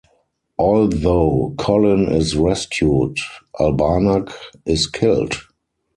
Although Colin is rescued, Albanac is killed.